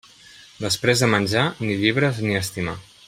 Després de menjar, ni llibres ni estimar.